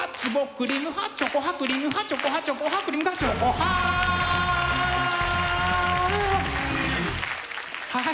はい。